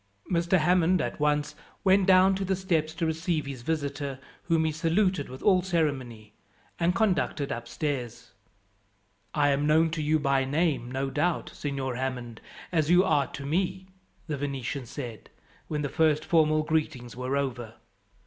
Mr. Hammond at once went down to the steps to receive his visitor, whom he saluted with all ceremony, and conducted upstairs. "I am known to you by name, no doubt, Signor Hammond, as you are to me," the Venetian said, when the first formal greetings were over.